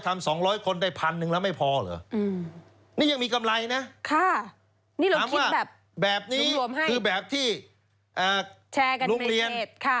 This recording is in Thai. ๕๐๕๐๐ทำ๒๐๐คนได้๑๐๐๐แล้วไม่พอเหรอนี่ยังมีกำไรนะถามว่าแบบนี้คือแบบที่ลูกเรียน